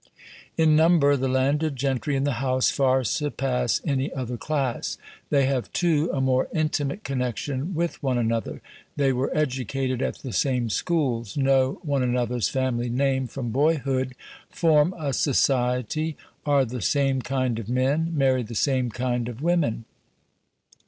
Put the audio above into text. In number the landed gentry in the House far surpass any other class. They have, too, a more intimate connection with one another; they were educated at the same schools; know one another's family name from boyhood; form a society; are the same kind of men; marry the same kind of women.